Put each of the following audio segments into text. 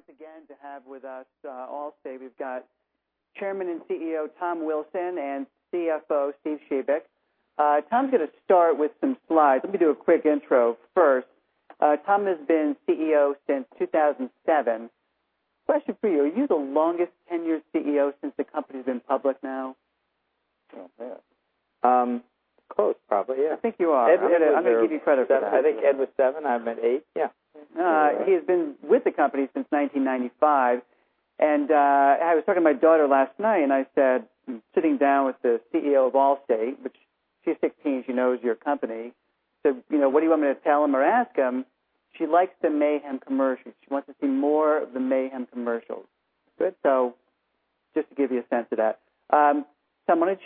Happy once again to have with us, Allstate. We've got Chairman and CEO, Tom Wilson, and CFO, Steve Shebik. Tom's going to start with some slides. Let me do a quick intro first. Tom has been CEO since 2007. Question for you, are you the longest tenured CEO since the company's been public now? I don't know. Close, probably, yeah. I think you are. Ed was there. I'm going to give you credit for that I think Ed was seven, I'm at eight. Yeah. He has been with the company since 1995, and I was talking to my daughter last night, and I said, "I'm sitting down with the CEO of Allstate," which she's 16, she knows your company. Said, "What do you want me to tell him or ask him?" She likes the Mayhem commercials. She wants to see more of the Mayhem commercials. Good. Just to give you a sense of that. Tom,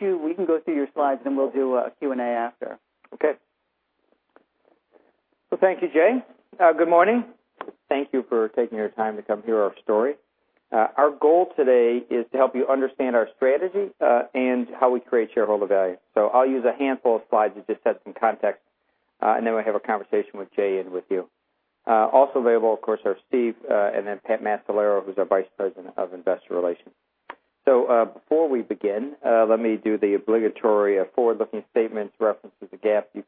we can go through your slides, and then we'll do a Q&A after. Okay. Thank you, Jay. Good morning. Thank you for taking your time to come hear our story. Our goal today is to help you understand our strategy, and how we create shareholder value. I'll use a handful of slides to just set some context, and then we'll have a conversation with Jay and with you. Also available, of course, are Steve, and then Pat Mascolo, who's our Vice President of Investor Relations. Before we begin, let me do the obligatory forward-looking statements, references to GAAP. I'm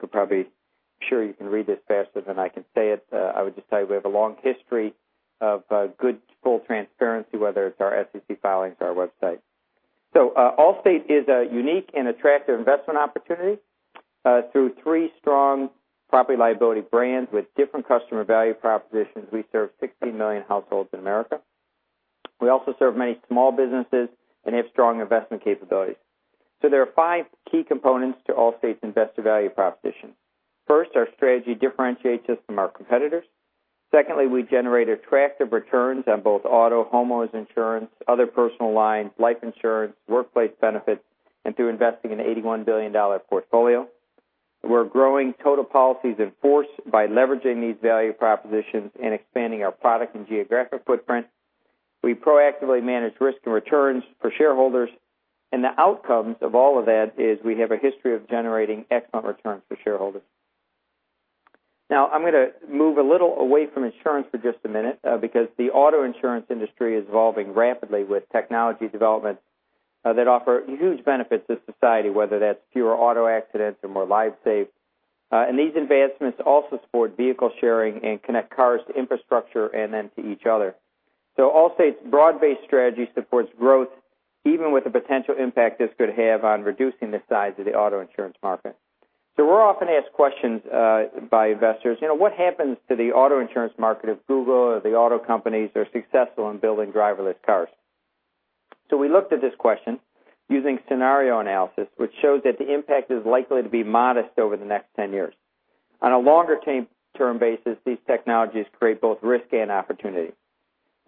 sure you can read this faster than I can say it. I would just tell you we have a long history of good, full transparency, whether it's our SEC filings or our website. Allstate is a unique and attractive investment opportunity. Through three strong property liability brands with different customer value propositions, we serve 60 million households in America. We also serve many small businesses and have strong investment capabilities. There are five key components to Allstate's investor value proposition. First, our strategy differentiates us from our competitors. Secondly, we generate attractive returns on both auto insurance, home insurance, other personal lines, life insurance, workplace benefits, and through investing an $81 billion portfolio. We're growing total policies in force by leveraging these value propositions and expanding our product and geographic footprint. The outcomes of all of that is we have a history of generating excellent returns for shareholders. I'm going to move a little away from insurance for just a minute, the auto insurance industry is evolving rapidly with technology developments that offer huge benefits to society, whether that's fewer auto accidents or more lives saved. These advancements also support vehicle sharing and connect cars to infrastructure and then to each other. Allstate's broad-based strategy supports growth, even with the potential impact this could have on reducing the size of the auto insurance market. We're often asked questions by investors, "What happens to the auto insurance market if Google or the auto companies are successful in building driverless cars?" We looked at this question using scenario analysis, which shows that the impact is likely to be modest over the next 10 years. On a longer-term basis, these technologies create both risk and opportunity.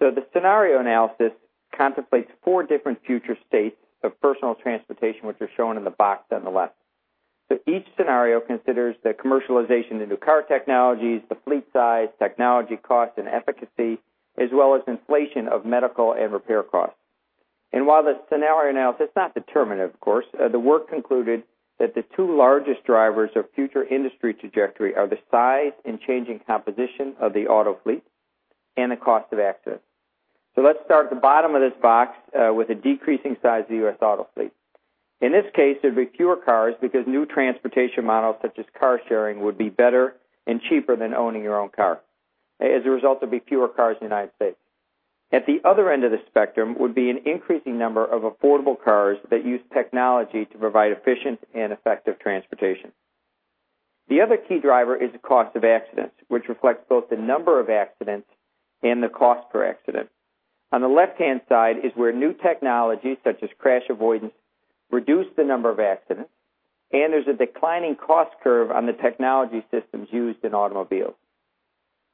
The scenario analysis contemplates four different future states of personal transportation, which are shown in the box on the left. Each scenario considers the commercialization of new car technologies, the fleet size, technology cost and efficacy, as well as inflation of medical and repair costs. While the scenario analysis is not determinative, of course, the work concluded that the two largest drivers of future industry trajectory are the size and changing composition of the auto fleet and the cost of accidents. Let's start at the bottom of this box, with a decreasing size of the U.S. auto fleet. In this case, there'd be fewer cars because new transportation models such as car sharing would be better and cheaper than owning your own car. As a result, there'd be fewer cars in the United States. At the other end of the spectrum would be an increasing number of affordable cars that use technology to provide efficient and effective transportation. The other key driver is the cost of accidents, which reflects both the number of accidents and the cost per accident. On the left-hand side is where new technologies such as crash avoidance reduce the number of accidents, there's a declining cost curve on the technology systems used in automobiles.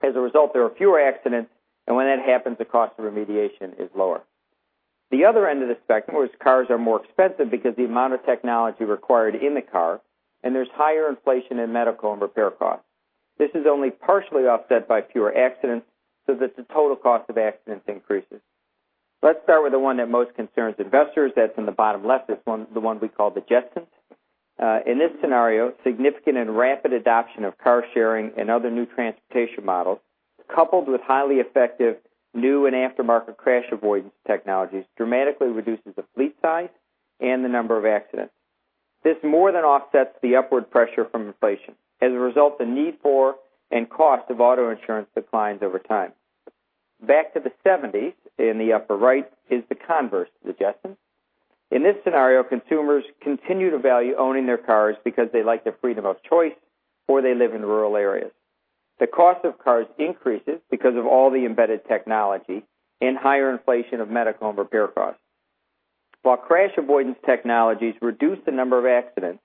As a result, there are fewer accidents, when that happens, the cost of remediation is lower. The other end of the spectrum is cars are more expensive because of the amount of technology required in the car, there's higher inflation in medical and repair costs. This is only partially offset by fewer accidents, that the total cost of accidents increases. Let's start with the one that most concerns investors. That's in the bottom left, this one, the one we call The Jetsons. In this scenario, significant and rapid adoption of car sharing and other new transportation models, coupled with highly effective new and aftermarket crash avoidance technologies, dramatically reduces the fleet size and the number of accidents. This more than offsets the upward pressure from inflation. As a result, the need for and cost of auto insurance declines over time. Back to the '70s, in the upper right, is the converse to The Jetsons. In this scenario, consumers continue to value owning their cars because they like the freedom of choice, or they live in rural areas. The cost of cars increases because of all the embedded technology and higher inflation of medical and repair costs. While crash avoidance technologies reduce the number of accidents,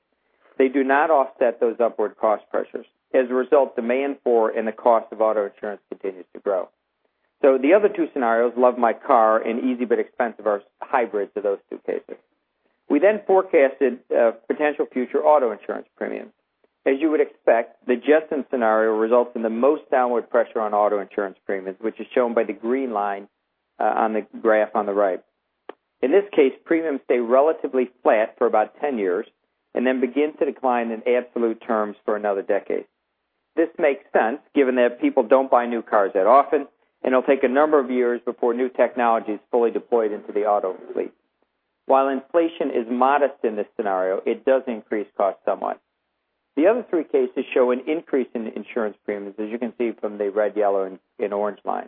they do not offset those upward cost pressures. As a result, demand for and the cost of auto insurance continues to grow. The other two scenarios, Love My Car and Easy But Expensive, are hybrids of those two cases. We then forecasted potential future auto insurance premiums. As you would expect, The Jetsons scenario results in the most downward pressure on auto insurance premiums, which is shown by the green line on the graph on the right. In this case, premiums stay relatively flat for about 10 years and then begin to decline in absolute terms for another decade. This makes sense given that people don't buy new cars that often, and it will take a number of years before new technology is fully deployed into the auto fleet. While inflation is modest in this scenario, it does increase costs somewhat. The other three cases show an increase in insurance premiums, as you can see from the red, yellow, and orange lines.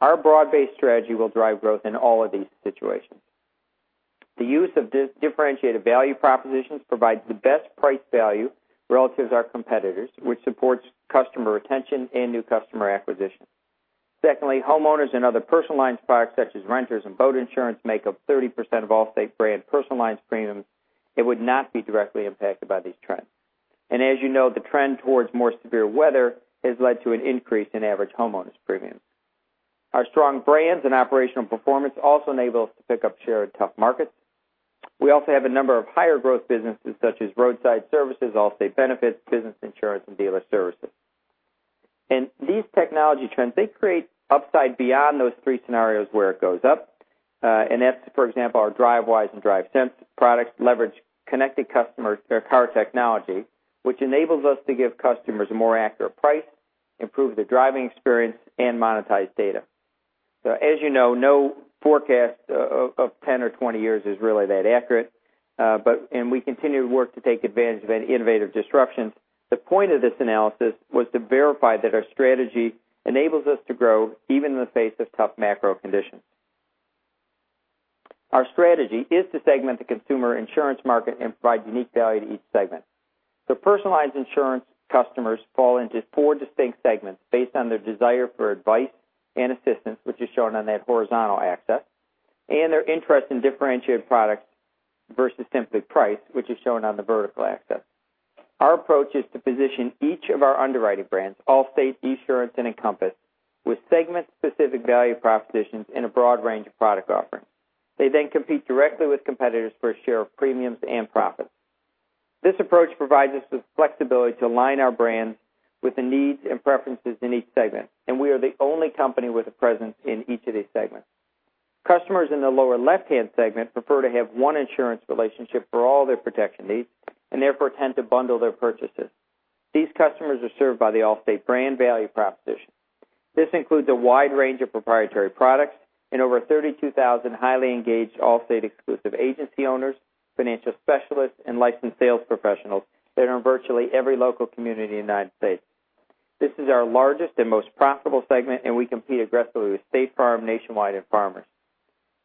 Our broad-based strategy will drive growth in all of these situations. The use of differentiated value propositions provides the best price value relative to our competitors, which supports customer retention and new customer acquisition. Secondly, homeowners and other personal lines products such as renters and boat insurance make up 30% of Allstate brand personal lines premiums and would not be directly impacted by these trends. As you know, the trend towards more severe weather has led to an increase in average homeowners premiums. Our strong brands and operational performance also enable us to pick up share in tough markets. We also have a number of higher growth businesses such as roadside services, Allstate Benefits, business insurance, and dealer services. These technology trends, they create upside beyond those three scenarios where it goes up. That is, for example, our Drivewise and DriveSense products leverage connected customers through our car technology, which enables us to give customers a more accurate price, improve their driving experience, and monetize data. As you know, no forecast of 10 or 20 years is really that accurate. We continue to work to take advantage of any innovative disruptions. The point of this analysis was to verify that our strategy enables us to grow even in the face of tough macro conditions. Our strategy is to segment the consumer insurance market and provide unique value to each segment. Personalized insurance customers fall into four distinct segments based on their desire for advice and assistance, which is shown on that horizontal axis, and their interest in differentiated products versus simply price, which is shown on the vertical axis. Our approach is to position each of our underwriting brands, Allstate, Esurance, and Encompass, with segment-specific value propositions in a broad range of product offerings. They then compete directly with competitors for a share of premiums and profits. This approach provides us with flexibility to align our brands with the needs and preferences in each segment, and we are the only company with a presence in each of these segments. Customers in the lower left-hand segment prefer to have one insurance relationship for all their protection needs and therefore tend to bundle their purchases. These customers are served by the Allstate brand value proposition. This includes a wide range of proprietary products and over 32,000 highly engaged Allstate exclusive agency owners, financial specialists, and licensed sales professionals that are in virtually every local community in the United States. This is our largest and most profitable segment, and we compete aggressively with State Farm, Nationwide, and Farmers.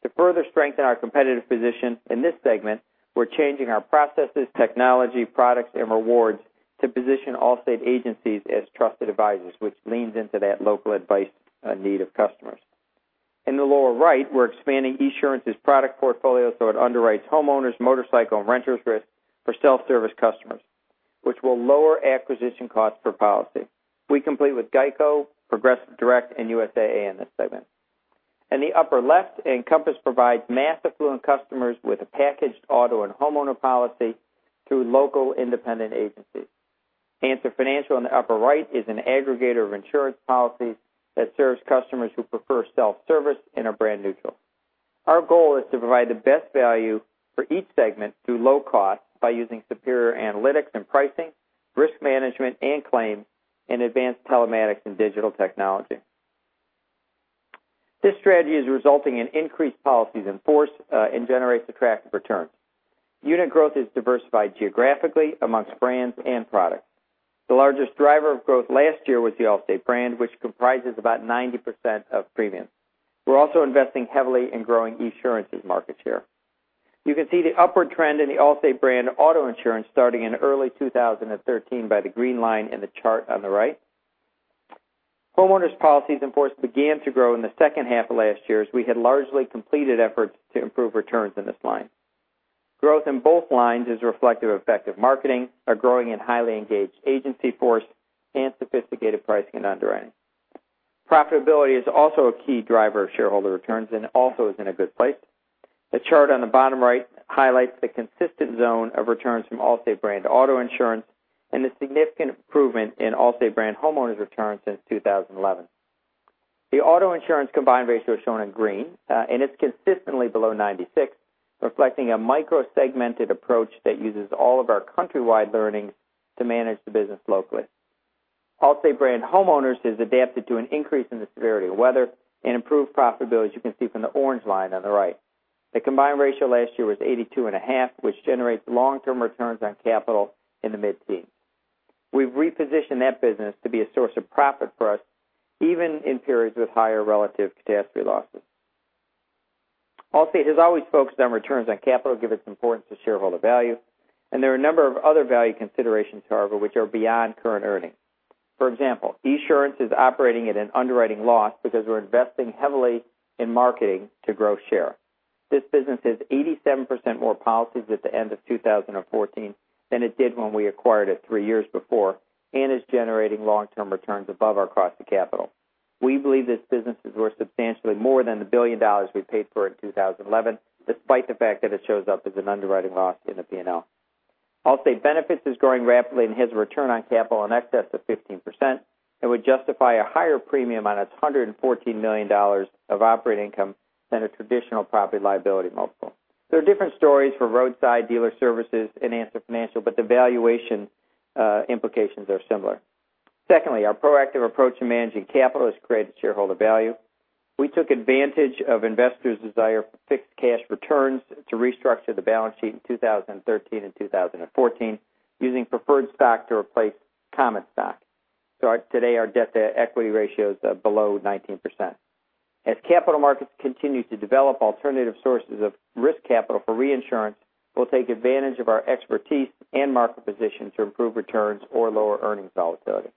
To further strengthen our competitive position in this segment, we're changing our processes, technology, products, and rewards to position Allstate agencies as trusted advisors, which leans into that local advice need of customers. In the lower right, we're expanding Esurance's product portfolio so it underwrites homeowners, motorcycle, and renters risk for self-service customers, which will lower acquisition costs per policy. We compete with GEICO, Progressive Direct, and USAA in this segment. In the upper left, Encompass provides mass affluent customers with a packaged auto and homeowner policy through local independent agencies. Answer Financial in the upper right is an aggregator of insurance policies that serves customers who prefer self-service and are brand neutral. Our goal is to provide the best value for each segment through low cost by using superior analytics and pricing, risk management and claims, and advanced telematics and digital technology. This strategy is resulting in increased policies in force, and generates attractive returns. Unit growth is diversified geographically amongst brands and products. The largest driver of growth last year was the Allstate brand, which comprises about 90% of premiums. We're also investing heavily in growing Esurance's market share. You can see the upward trend in the Allstate brand auto insurance starting in early 2013 by the green line in the chart on the right. Homeowners policies, in force, began to grow in the second half of last year as we had largely completed efforts to improve returns in this line. Growth in both lines is reflective of effective marketing, a growing and highly engaged agency force, and sophisticated pricing and underwriting. Profitability is also a key driver of shareholder returns and also is in a good place. The chart on the bottom right highlights the consistent zone of returns from Allstate brand auto insurance and the significant improvement in Allstate brand homeowners returns since 2011. The auto insurance combined ratio is shown in green, and it's consistently below 96, reflecting a micro-segmented approach that uses all of our countrywide learnings to manage the business locally. Allstate brand homeowners has adapted to an increase in the severity of weather and improved profitability, as you can see from the orange line on the right. The combined ratio last year was 82.5, which generates long-term returns on capital in the mid-teens. We've repositioned that business to be a source of profit for us, even in periods with higher relative catastrophe losses. Allstate has always focused on returns on capital, given its importance to shareholder value, there are a number of other value considerations, however, which are beyond current earnings. For example, Esurance is operating at an underwriting loss because we're investing heavily in marketing to grow share. This business has 87% more policies at the end of 2014 than it did when we acquired it three years before and is generating long-term returns above our cost of capital. We believe this business is worth substantially more than the $1 billion we paid for it in 2011, despite the fact that it shows up as an underwriting loss in the P&L. Allstate Benefits is growing rapidly and has a return on capital in excess of 15%, and would justify a higher premium on its $114 million of operating income than a traditional property liability multiple. There are different stories for Roadside, Dealer Services, and Answer Financial, but the valuation implications are similar. Secondly, our proactive approach in managing capital has created shareholder value. We took advantage of investors' desire for fixed cash returns to restructure the balance sheet in 2013 and 2014 using preferred stock to replace common stock. Today our debt-to-equity ratio is below 19%. As capital markets continue to develop alternative sources of risk capital for reinsurance, we'll take advantage of our expertise and market position to improve returns or lower earnings volatility.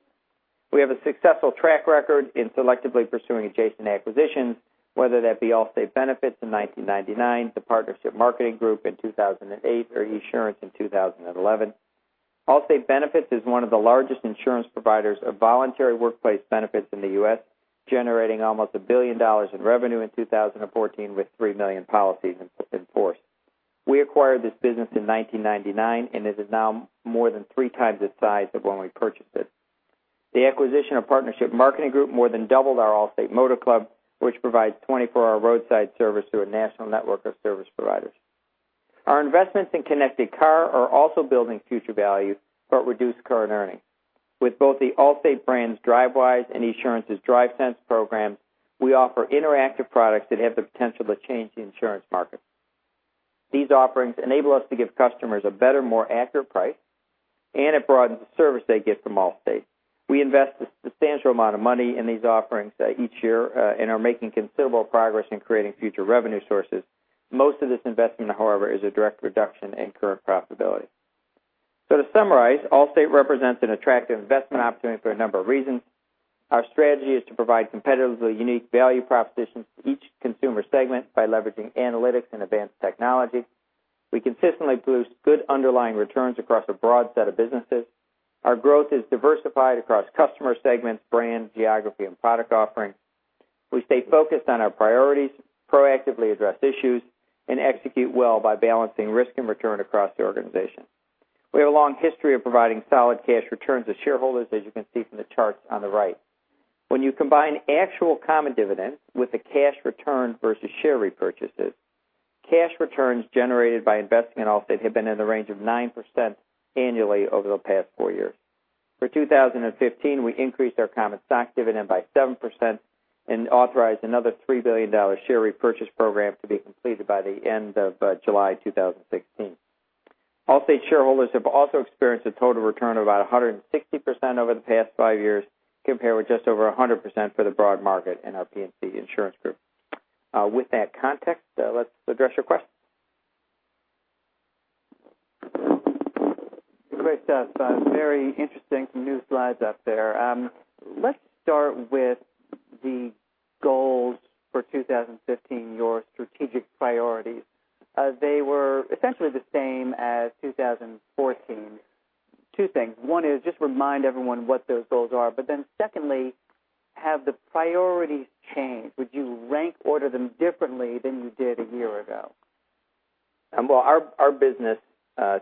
We have a successful track record in selectively pursuing adjacent acquisitions, whether that be Allstate Benefits in 1999, the Partnership Marketing Group in 2008, or Esurance in 2011. Allstate Benefits is one of the largest insurance providers of voluntary workplace benefits in the U.S., generating almost $1 billion in revenue in 2014 with 3 million policies in force. We acquired this business in 1999, it is now more than three times its size of when we purchased it. The acquisition of Partnership Marketing Group more than doubled our Allstate Motor Club, which provides 24-hour roadside service through a national network of service providers. Our investments in Connected Car are also building future value but reduce current earnings. With both the Allstate brand's Drivewise and Esurance's DriveSense program, we offer interactive products that have the potential to change the insurance market. These offerings enable us to give customers a better, more accurate price, and it broadens the service they get from Allstate. We invest a substantial amount of money in these offerings each year and are making considerable progress in creating future revenue sources. Most of this investment, however, is a direct reduction in current profitability. To summarize, Allstate represents an attractive investment opportunity for a number of reasons. Our strategy is to provide competitively unique value propositions to each consumer segment by leveraging analytics and advanced technology. We consistently produce good underlying returns across a broad set of businesses. Our growth is diversified across customer segments, brand, geography, and product offerings. We stay focused on our priorities, proactively address issues, and execute well by balancing risk and return across the organization. We have a long history of providing solid cash returns to shareholders, as you can see from the charts on the right. When you combine actual common dividends with the cash return versus share repurchases, cash returns generated by investing in Allstate have been in the range of 9% annually over the past four years. For 2015, we increased our common stock dividend by 7% and authorized another $3 billion share repurchase program to be completed by the end of July 2016. Allstate shareholders have also experienced a total return of about 160% over the past five years, compared with just over 100% for the broad market and our P&C insurance group. With that context, let's address your questions. Great stuff, very interesting new slides up there. Let's start with the goals for 2015, your strategic priorities. They were essentially the same as 2014. Two things. One is just remind everyone what those goals are. Secondly, have the priorities changed? Would you rank order them differently than you did a year ago? Well, our business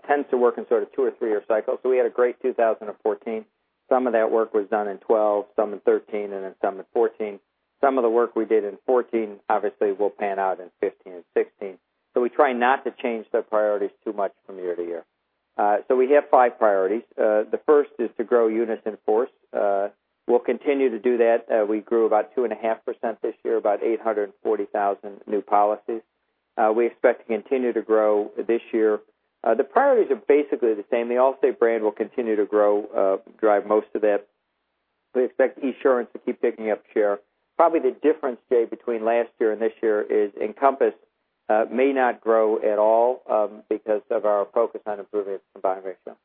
tends to work in sort of two or three-year cycles. We had a great 2014. Some of that work was done in 2012, some in 2013, some in 2014. Some of the work we did in 2014 obviously will pan out in 2015 and 2016. We try not to change the priorities too much from year to year. We have five priorities. The first is to grow units in force. We'll continue to do that. We grew about 2.5% this year, about 840,000 new policies. We expect to continue to grow this year. The priorities are basically the same. The Allstate brand will continue to grow, drive most of that. We expect Esurance to keep picking up share. Probably the difference, Jay, between last year and this year is Encompass may not grow at all because of our focus on improving its combined ratio.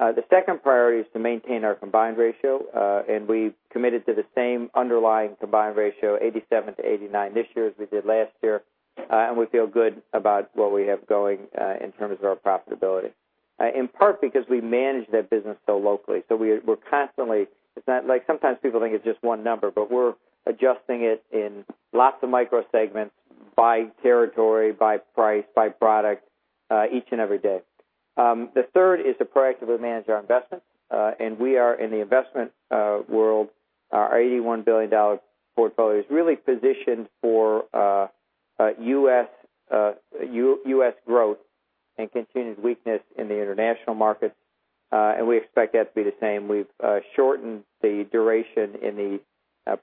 The second priority is to maintain our combined ratio, and we've committed to the same underlying combined ratio, 87 to 89 this year as we did last year, and we feel good about what we have going in terms of our profitability, in part because we manage that business so locally. Sometimes people think it's just one number, but we're adjusting it in lots of micro segments by territory, by price, by product, each and every day. The third is to proactively manage our investments. We are in the investment world. Our $81 billion portfolio is really positioned for U.S. growth and continued weakness in the international markets, and we expect that to be the same. We've shortened the duration in the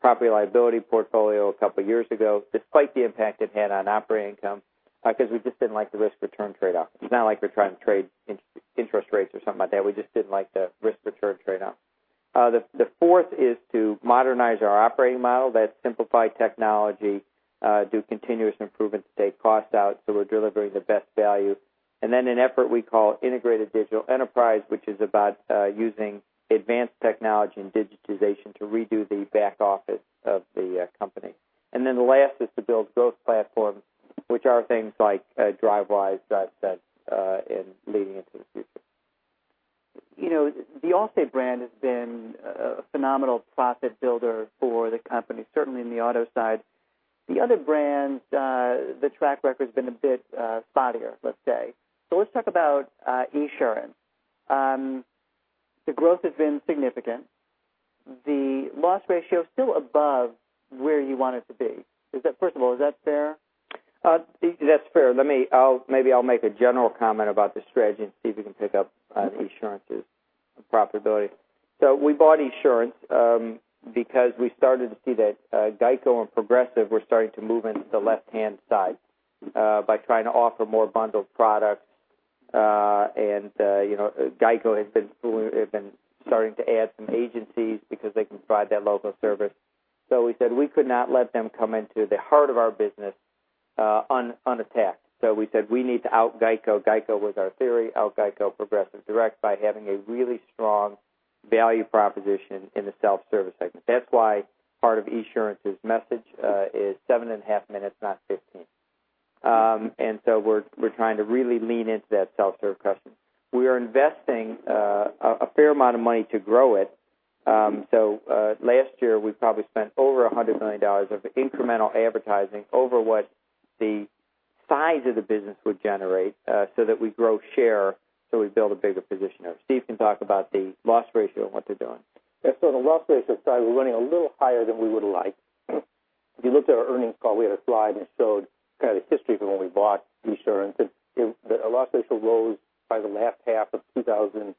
property liability portfolio a couple of years ago, despite the impact it had on operating income, because we just didn't like the risk-return trade-off. It's not like we're trying to trade interest rates or something like that. We just didn't like the risk-return trade-off. The fourth is to modernize our operating model. That's simplify technology, do continuous improvement to take costs out so we're delivering the best value. An effort we call integrated digital enterprise, which is about using advanced technology and digitization to redo the back office of the company. The last is to build growth platforms, which are things like Drivewise that's leading into the future. The Allstate brand has been a phenomenal profit builder for the company, certainly in the auto side. The other brands, the track record's been a bit spottier, let's say. Let's talk about Esurance. The growth has been significant. The loss ratio is still above where you want it to be. First of all, is that fair? That's fair. Maybe I'll make a general comment about the strategy and see if we can pick up Esurance's profitability. We bought Esurance because we started to see that GEICO and Progressive were starting to move into the left-hand side by trying to offer more bundled products. GEICO has been starting to add some agencies because they can provide that local service. We said we could not let them come into the heart of our business unattacked. We said we need to out-GEICO GEICO with our theory, out-GEICO Progressive Direct by having a really strong value proposition in the self-service segment. That's why part of Esurance's message is seven and a half minutes, not 15. We're trying to really lean into that self-serve question. We are investing a fair amount of money to grow it. Last year, we probably spent over $100 million of incremental advertising over what the size of the business would generate so that we grow share, so we build a bigger position there. Steve can talk about the loss ratio and what they're doing. Yeah, the loss ratio side, we're running a little higher than we would like. If you looked at our earnings call, we had a slide, and it showed kind of the history from when we bought Esurance, and our loss ratio rose by the last half of 2013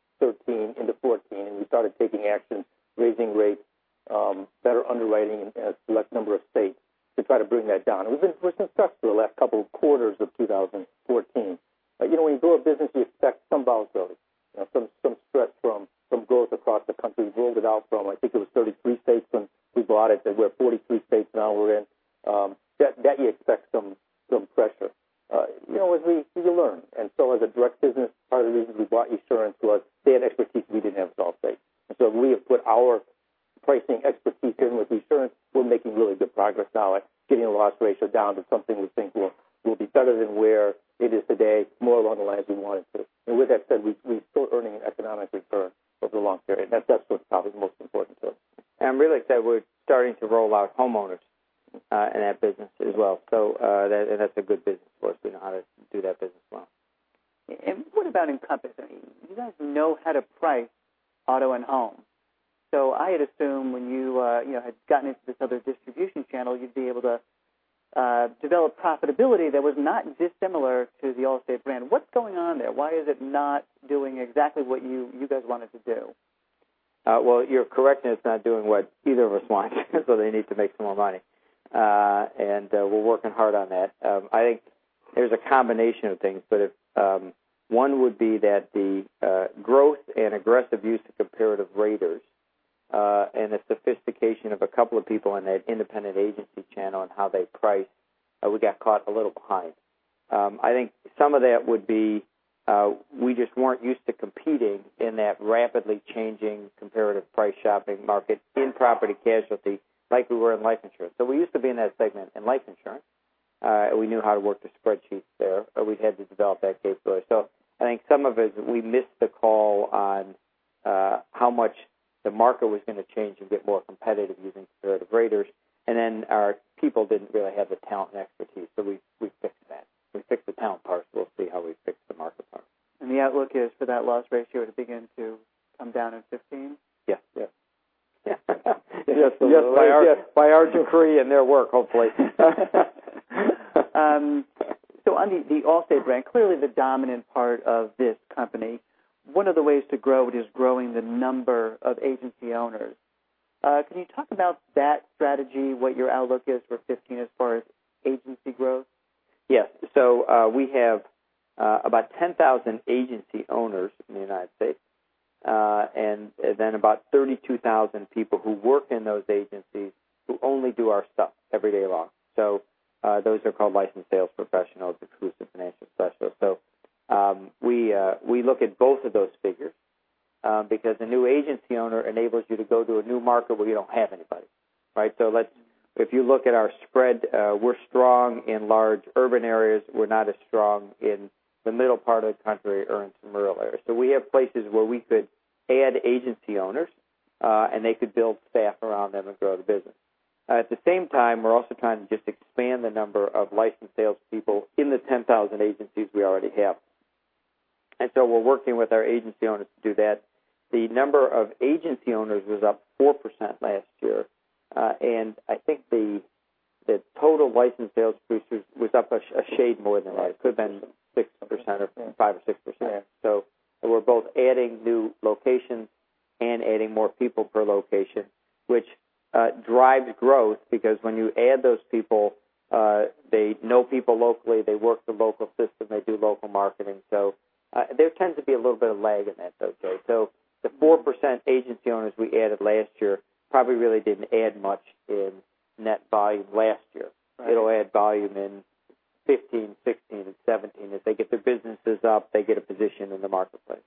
into 2014, and we started taking action, raising rates, better underwriting in a select number of states to try to bring that down. We've been successful the last couple of quarters of 2014. When you grow a business, we expect some volatility, some stress from growth across the country. We rolled it out from, I think it was 33 states when we bought it, and we're at 43 states now we're in. That you expect some pressure. As we learn. As a direct business, part of the reason we bought Esurance was they had expertise we didn't have at Allstate. We have put our pricing expertise in with Esurance. We're making really good progress now at getting the loss ratio down to something we think will be better than where it is today, more along the lines we want it to. With that said, we're still earning an economic return over the long term, and that's what's probably most important to us. Really, like I said, we're starting to roll out homeowners in that business as well. That's a good business for us. We know how to do that business well. What about Encompass? You guys know how to price auto and home. I had assumed when you had gotten into this other distribution channel, you'd be able to develop profitability that was not dissimilar to the Allstate brand. What's going on there? Why is it not doing exactly what you guys want it to do? Well, you're correct. It's not doing what either of us want. They need to make some more money. We're working hard on that. I think there's a combination of things. One would be that the growth and aggressive use of comparative raters, and the sophistication of a couple of people in that independent agency channel and how they price, we got caught a little behind. I think some of that would be we just weren't used to competing in that rapidly changing comparative price shopping market in P&C like we were in life insurance. We used to be in that segment in life insurance. We knew how to work the spreadsheets there. We had to develop that capability. I think some of it is we missed the call on how much the market was going to change and get more competitive using comparative raters. Our people didn't really have the talent and expertise. We fixed that. We fixed the talent part. We'll see how we fix the market part. The outlook is for that loss ratio to begin to come down in 2015? Yes. Yes. By our decree and their work, hopefully. Under the Allstate brand, clearly the dominant part of this company, one of the ways to grow it is growing the number of agency owners. Can you talk about that strategy, what your outlook is for 2015 as far as agency growth? We have about 10,000 agency owners in the U.S., and then about 32,000 people who work in those agencies who only do our stuff every day long. Those are called licensed sales professionals, exclusive financial specialists. We look at both of those figures because a new agency owner enables you to go to a new market where you don't have anybody, right? If you look at our spread, we're strong in large urban areas. We're not as strong in the middle part of the country or in some rural areas. We have places where we could add agency owners, and they could build staff around them and grow the business. At the same time, we're also trying to just expand the number of licensed salespeople in the 10,000 agencies we already have. We're working with our agency owners to do that. The number of agency owners was up 4% last year. I think the total licensed sales producers was up a shade more than that. It could have been 6% or 5% or 6%. Yeah. We're both adding new locations and adding more people per location, which drives growth because when you add those people, they know people locally, they work the local system, they do local marketing. There tends to be a little bit of lag in that, though, Jay. The 4% agency owners we added last year probably really didn't add much in net volume last year. Right. It'll add volume in 2015, 2016, and 2017. If they get their businesses up, they get a position in the marketplace.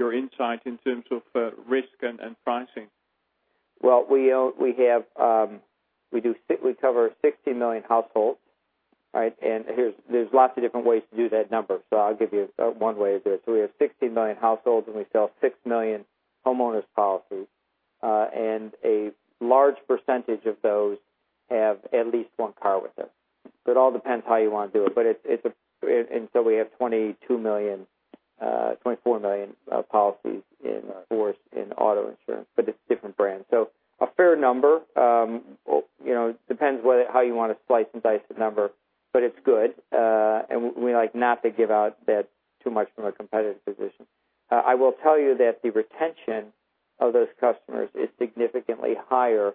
your insight in terms of risk and pricing? Well, we cover 60 million households. There's lots of different ways to do that number, I'll give you one way to do it. We have 60 million households, and we sell 6 million homeowners policies. A large percentage of those have at least one car with us. It all depends how you want to do it. We have 24 million policies in force in auto insurance, but it's different brands. A fair number. Depends how you want to slice and dice the number, but it's good. We like not to give out that too much from a competitive position. I will tell you that the retention of those customers is significantly higher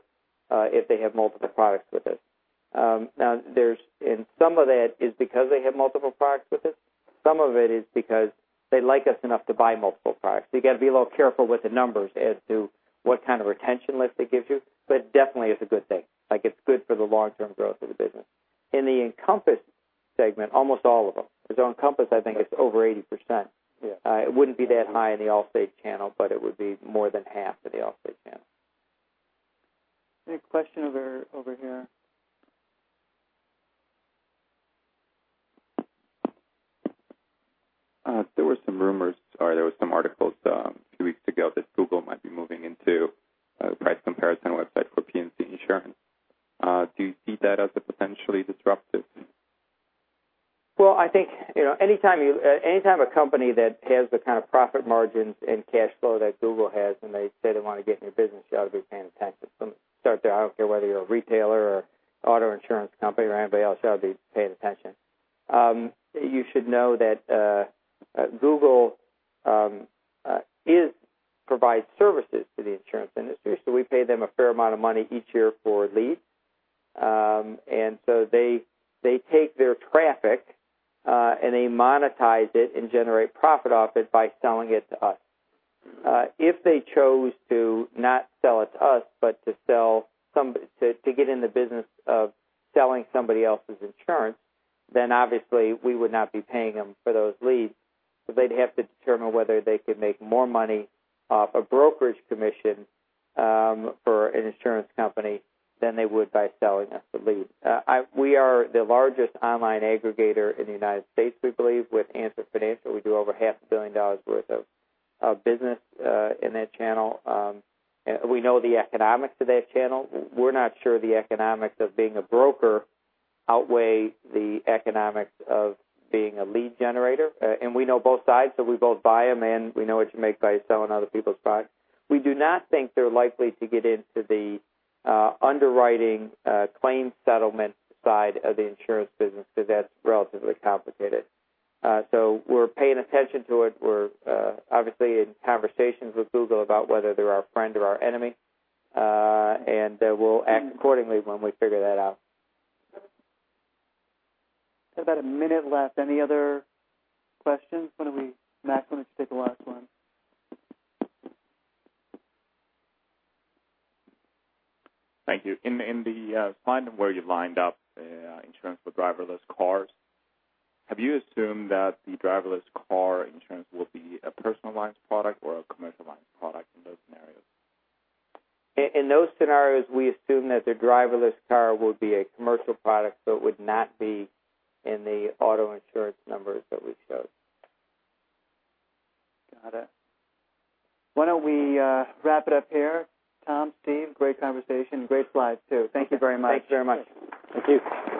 if they have multiple products with us. Now, some of that is because they have multiple products with us. Some of it is because they like us enough to buy multiple products. You got to be a little careful with the numbers as to what kind of retention list it gives you. Definitely, it's a good thing. It's good for the long-term growth of the business. In the Encompass segment, almost all of them. Because Encompass, I think it's over 80%. Yeah. It wouldn't be that high in the Allstate channel, but it would be more than half of the Allstate channel. Any question over here? There were some rumors, or there were some articles a few weeks ago that Google might be moving into a price comparison website for P&C insurance. Do you see that as potentially disruptive? Well, I think, anytime a company that has the kind of profit margins and cash flow that Google has, and they say they want to get in your business, you ought to be paying attention. Start there. I don't care whether you're a retailer or auto insurance company or anybody else, you ought to be paying attention. You should know that Google provides services to the insurance industry, we pay them a fair amount of money each year for leads. They take their traffic, and they monetize it and generate profit off it by selling it to us. If they chose to not sell it to us, but to get in the business of selling somebody else's insurance, then obviously we would not be paying them for those leads. They'd have to determine whether they could make more money off a brokerage commission for an insurance company than they would by selling us the lead. We are the largest online aggregator in the United States, we believe, with Answer Financial. We do over half a billion dollars worth of business in that channel. We know the economics of that channel. We're not sure the economics of being a broker outweigh the economics of being a lead generator. We know both sides, so we both buy them in. We know what you make by selling other people's products. We do not think they're likely to get into the underwriting claims settlement side of the insurance business because that's relatively complicated. We're paying attention to it. We're obviously in conversations with Google about whether they're our friend or our enemy. We'll act accordingly when we figure that out. About one minute left. Any other questions? Matt, why don't you take the last one? Thank you. In the slide where you lined up insurance for driverless cars, have you assumed that the driverless car insurance will be a personal lines product or a commercial lines product in those scenarios? In those scenarios, we assume that the driverless car will be a commercial product, so it would not be in the auto insurance numbers that we showed. Got it. Why don't we wrap it up here? Tom, Steve, great conversation. Great slides, too. Thank you very much. Thank you very much. Thank you.